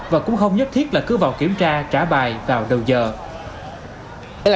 và cũng không nhất thiết là cứ vào kiểm tra trả bài vào đầu giờ